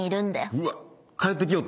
うわっ帰ってきよったんや。